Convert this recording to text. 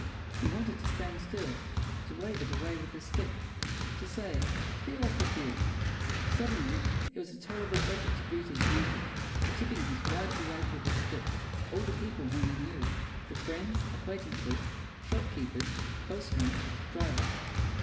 He wanted to stand still, to wave it away with his stick, to say, "Be off with you!" Suddenly it was a terrible effort to greet as usual—tipping his wide awake with his stick—all the people whom he knew, the friends, acquaintances, shopkeepers, postmen, drivers.